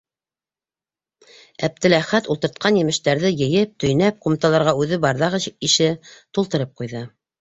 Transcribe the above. Әптеләхәт ултыртҡан емештәрҙе йыйып, төйнәп, ҡумталарға үҙе барҙағы ише тултырып ҡуйҙы.